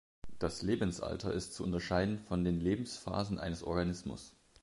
Das Lebensalter ist zu unterscheiden von den Lebensphasen eines Organismus.